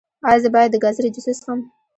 ایا زه باید د ګازرې جوس وڅښم؟